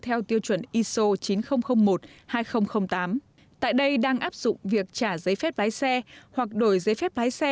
theo tiêu chuẩn iso chín nghìn một hai nghìn tám tại đây đang áp dụng việc trả giấy phép lái xe hoặc đổi giấy phép lái xe